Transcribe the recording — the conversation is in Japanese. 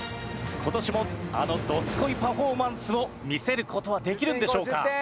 今年もあのどすこいパフォーマンスを見せる事はできるんでしょうか？